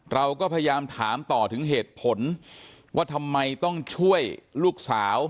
เราก็พยายามถามต่อถึงเหตุผลว่าทำไมต้องช่วยลูกสาว